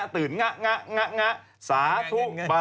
ทำไม